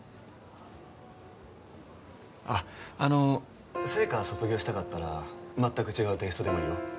あっあの『ＳＥＩＫＡ』は卒業したかったら全く違うテイストでもいいよ。